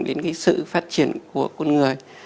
đến cái sự phát triển của con người